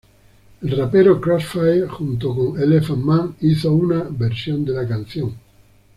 El rapero Crossfire junto con Elephant Man hizo una versión de la canción.